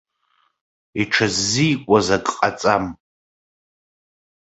Иҽыззикуаз ак ҟаҵам.